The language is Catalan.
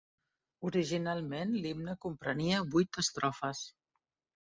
Originalment l'himne comprenia vuit estrofes.